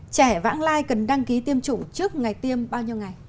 trẻ vãng lai cần đăng ký tiêm chủng trước ngày tiêm bao nhiêu ngày